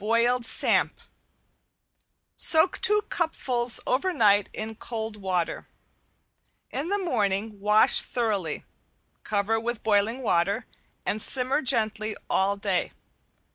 ~BOILED SAMP~ Soak two cupfuls over night in cold water. In the morning wash thoroughly, cover with boiling water, and simmer gently all day.